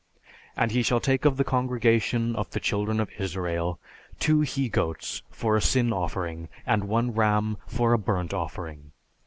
And he shall take of the congregation of the children of Israel two he goats for a sin offering, and one ram for a burnt offering.